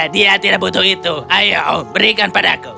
dia tidak butuh itu ayo berikan padaku